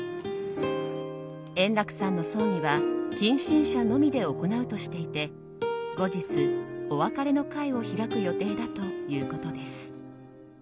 円楽さんの葬儀は近親者のみで行うとしていて後日、お別れの会を開く予定だということです。